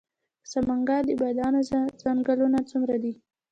د سمنګان د بادامو ځنګلونه څومره دي؟